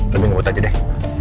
lebih ngebut aja deh